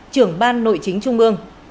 trưởng ban nội chính trung ương